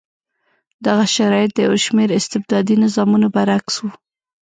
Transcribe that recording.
دغه شرایط د یو شمېر استبدادي نظامونو برعکس و.